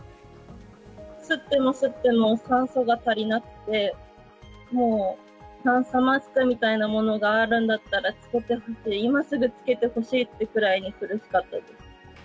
吸っても吸っても酸素が足りなくて、もう酸素マスクみたいなものがあるんだったらつけてほしい、今すぐつけてほしいってぐらいに苦しかったです。